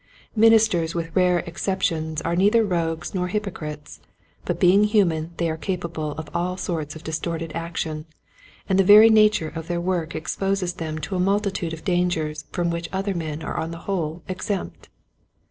Ministers with rare excep tions are neither rogues nor hypocrites, but being human they are capable of all sorts of distorted action, and the very nature of their work exposes them to a multitude of dangers from which other men are on the whole exempt.